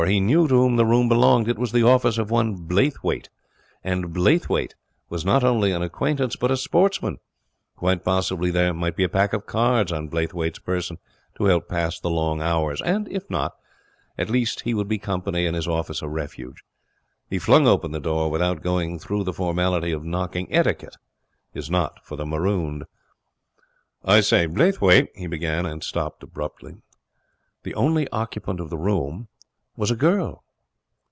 He knew to whom the room belonged. It was the office of one Blaythwayt; and Blaythwayt was not only an acquaintance, but a sportsman. Quite possibly there might be a pack of cards on Blaythwayt's person to help pass the long hours. And if not, at least he would be company and his office a refuge. He flung open the door without going through the formality of knocking. Etiquette is not for the marooned. 'I say, Blaythwayt ' he began, and stopped abruptly. The only occupant of the room was a girl.